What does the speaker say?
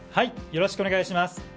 よろしくお願いします。